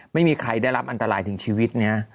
ไม่มีใครได้รับอันตรายถึงชีวิตนะ